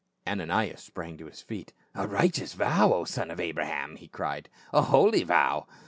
Ananias sprang to his feet. " A righteous vow, O son of Abraham !" he cried, "A holy vow.